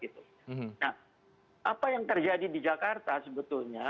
nah apa yang terjadi di jakarta sebetulnya